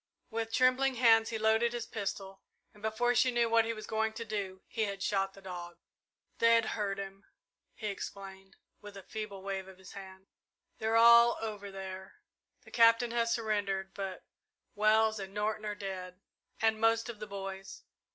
With trembling hands he loaded his pistol, and, before she knew what he was going to do, he had shot the dog. "They'd hurt him," he explained, with a feeble wave of his hand. "They're all over there. The Captain has surrendered, but Wells and Norton are dead and most of the boys.